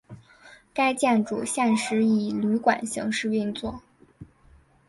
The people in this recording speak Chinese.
该建筑现时以旅馆形式运作。